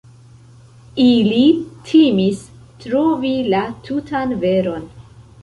Ili timis trovi la tutan veron.